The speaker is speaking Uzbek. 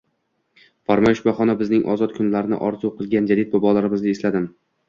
Farmoyish bahona bizning ozod kunlarni orzu qilgan jadid bobolarimizni esladim.